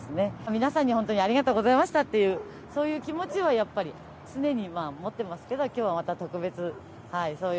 皆さんに本当にありがとうございましたというそういう気持ちを、やっぱり常に持っていますけどきょうは、また特別はい。